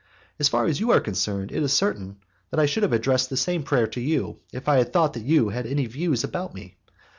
As far as you are concerned, it is certain that I should have addressed the same prayer to you, if I had thought that you had any views about me.